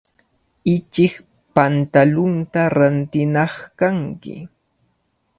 Ichik pantalunta rantinaq kanki.